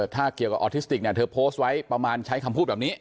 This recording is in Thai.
ถ้าเกี่ยวกับออทิสติกเนี่ยเธอโพสต์ไว้ประมาณใช้คำพูดแบบนี้